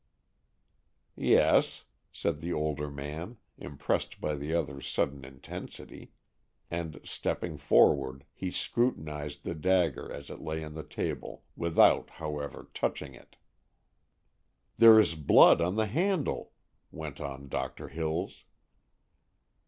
"Yes," said the older man, impressed by the other's sudden intensity; and, stepping forward, he scrutinized the dagger as it lay on the table, without, however, touching it. "There is blood on the handle," went on Doctor Hills.